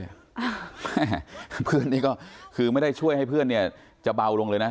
แม่เพื่อนนี่ก็คือไม่ได้ช่วยให้เพื่อนเนี่ยจะเบาลงเลยนะ